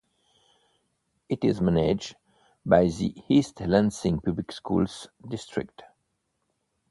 It is managed by the East Lansing Public Schools district.